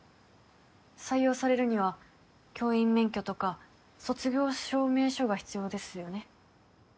採用されるには教員免許とか卒業証明書が必要ですよね？